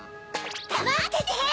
だまってて！